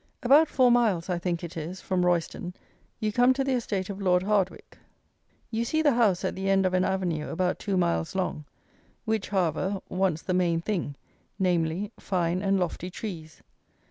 About four miles, I think it is, from Royston you come to the estate of Lord Hardwicke. You see the house at the end of an avenue about two miles long, which, however, wants the main thing, namely, fine and lofty trees.